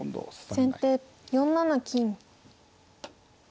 先手４七金。